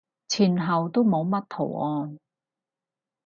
前後都冇乜圖案